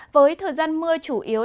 với thời gian mưa chủ yếu